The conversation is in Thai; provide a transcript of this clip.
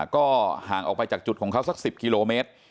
ก็ห่างออกไปจากจุดของเขาสัก๑๐กิโลเมตร